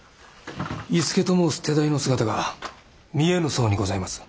伊助と申す手代の姿が見えぬそうにございます。